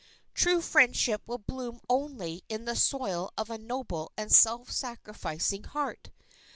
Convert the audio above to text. True friendship will bloom only in the soil of a noble and self sacrificing heart.